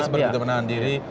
seperti menahan diri